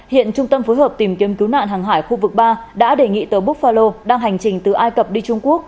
hiện trung tâm phối hợp tìm kiếm cứu nạn hàng hải khu vực ba đã đề nghị tàu buk pharo đang hành trình từ ai cập đi trung quốc